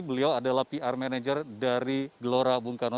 beliau adalah pr manajer dari gelora bung karno